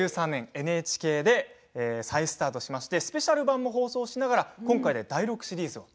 ２０１３年ＮＨＫで再スタートしましてスペシャル版も放送しながら今回で第６シリーズを